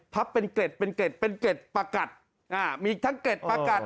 เป็นเกร็ดเป็นเกร็ดเป็นเกร็ดประกัดอ่ามีทั้งเกร็ดประกัด